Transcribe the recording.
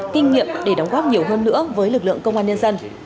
kinh nghiệm để đóng góp nhiều hơn nữa với lực lượng công an nhân dân